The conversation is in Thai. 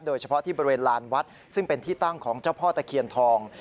โดยเฉพาะที่บริเวณลานวัดซึ่งเป็นที่ตั้งของเจ้าพ่อตะเคียนทอง